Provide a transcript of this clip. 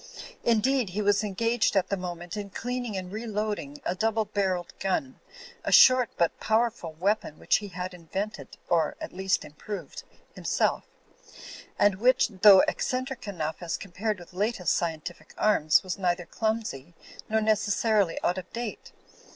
Indeed, he was engaged at the 82 THE SIGN OF "THE OLD SHIP" 33 moment in cleaning and reloading a double barrelled gun, a short but powerful weapon which he had in vented, or at least improved, himself; and which, though eccentric enough as compared with latest scien tific arms, was neither clumsy nor necessarily out of date.